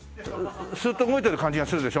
スーッと動いてる感じがするでしょ？